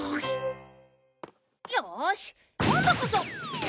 よーし今度こそ！